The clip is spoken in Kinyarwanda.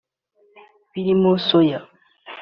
birimo soya